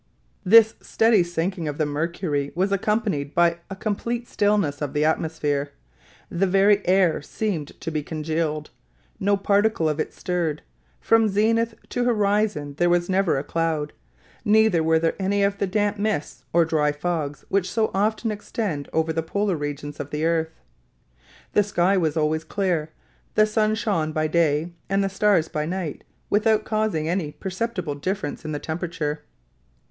This steady sinking of the mercury was accompanied by a complete stillness of the atmosphere; the very air seemed to be congealed; no particle of it stirred; from zenith to horizon there was never a cloud; neither were there any of the damp mists or dry fogs which so often extend over the polar regions of the earth; the sky was always clear; the sun shone by day and the stars by night without causing any perceptible difference in the temperature.